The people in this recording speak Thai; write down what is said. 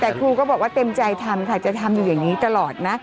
แต่ครูก็บอกว่าเต็มใจทำค่ะจะทำอยู่อย่างนี้ตลอดนะ